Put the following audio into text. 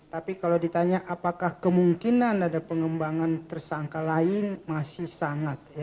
tapi kalau ditanya apakah kemungkinan ada pengembangan tersangka lain masih sangat